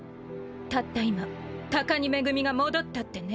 たった今高荷恵が戻ったってね。